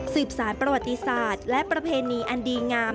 สารประวัติศาสตร์และประเพณีอันดีงาม